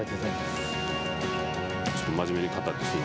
ちょっと真面目に語ってすみま